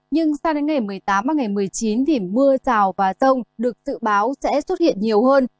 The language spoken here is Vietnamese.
nhưng sang đến ngày một mươi tám và ngày một mươi chín thì mưa rào và rông được dự báo sẽ xuất hiện nhiều hơn